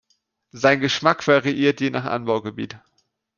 Sein Geschmack variiert je nach Anbaugebiet.